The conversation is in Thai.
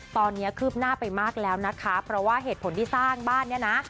ตอนนี้คืบหน้าไปมากแล้วนะคะเพราะว่าเหตุผลที่สร้างบ้านเนี่ยนะ